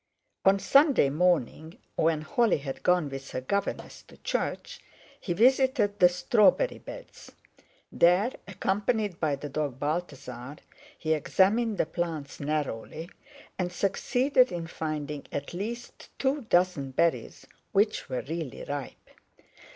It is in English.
On Sunday morning, when Holly had gone with her governess to church, he visited the strawberry beds. There, accompanied by the dog Balthasar, he examined the plants narrowly and succeeded in finding at least two dozen berries which were really ripe.